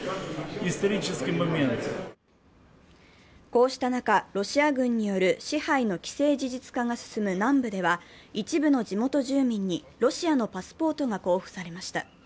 こうした中、ロシア軍による支配の既成事実化が進む南部では一部の地元住民にロシアのパスポートが交付されました。